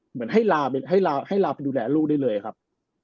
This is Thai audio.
เหมือนให้ลาไปดูแลลูกได้เลยครับ